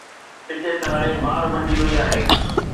Ticket هاڻي بار بڻجي وئي آهي.